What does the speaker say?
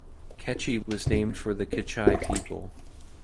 Kechi was named for the Kichai people.